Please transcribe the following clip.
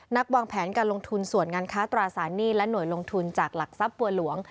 วางแผนการลงทุนส่วนงานค้าตราสารหนี้และหน่วยลงทุนจากหลักทรัพย์บัวหลวง